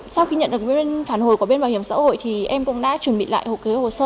sau khi nhận được phản hồi của bên bảo hiểm xã hội thì em cũng đã chuẩn bị lại hộ kế hồ sơ